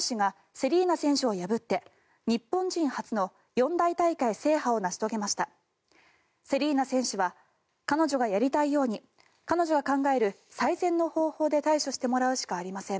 セリーナ選手は彼女がやりたいように彼女が考える最善の方法で対処してもらうしかありません